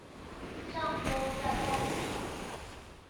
上週在報紙上